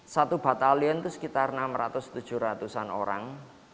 satu batalion itu sekitar enam ratus tujuh ratus an orang